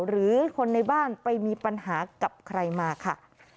หรือคนในบ้านไปมีปัญหากับใครมาค่ะ